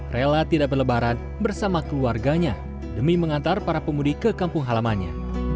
rela tidak berlebaran bersama keluarganya demi mengantar para pemudik ke kampung halamannya